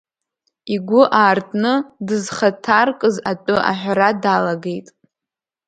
Игәы аартны дызхаҭаркыз атәы аҳәара далагеит.